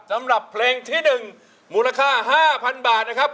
สำหรับเพลงที่๑มูลค่า๕๐๐๐บาทนะครับ